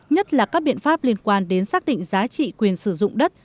nhất là các biện pháp liên quan đến xác định giá trị quyền sử dụng đất